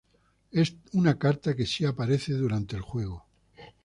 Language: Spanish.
Una carta que sí aparece durante el juego.